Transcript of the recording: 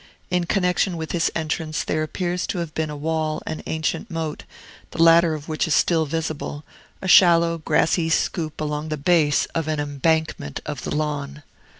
In connection with this entrance there appears to have been a wall and an ancient moat, the latter of which is still visible, a shallow, grassy scoop along the base of an embankment of the lawn.